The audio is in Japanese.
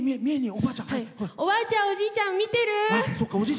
おばあちゃん、おじいちゃん見てる？